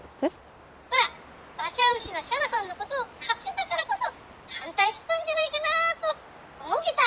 ほらバチャ牛のシャナさんのことを買ってたからこそ反対してたんじゃないかなと思うゲタ」。